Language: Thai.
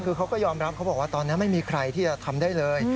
คือเขาก็ยอมรับเขาบอกว่าตอนนี้ไม่มีใครที่จะทำได้เลย